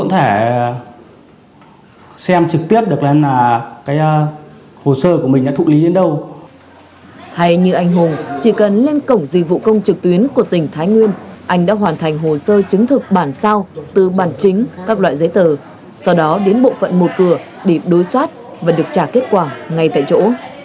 thay như anh hùng chỉ cần lên cổng dịch vụ công trực tuyến của tỉnh thái nguyên anh đã hoàn thành hồ sơ chứng thực bản sao từ bản chính các loại giấy tờ sau đó đến bộ phận một cửa để đối xoát và được trả kết quả ngay tại chỗ